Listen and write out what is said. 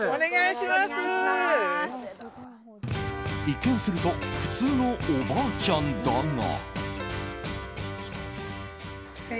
一見すると普通のおばあちゃんだが。